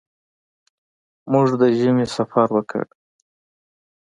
موږ د ژمي سفر وکړ.